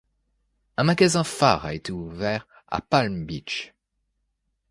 Un magasin phare a été ouvert à Palm Beach.